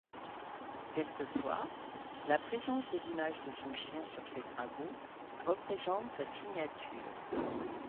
Quelquefois la présence de l'image de son chien sur ses travaux représente sa signature.